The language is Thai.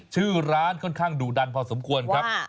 ชื่อร้านค่อนข้างดุดันพอสมควรครับ